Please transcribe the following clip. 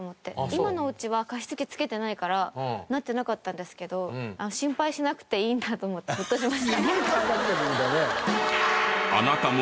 今のおうちは加湿器つけてないからなってなかったんですけど心配しなくていいんだと思ってホッとしました。